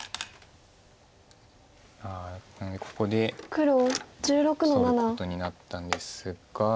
ここでそういうことになったんですが。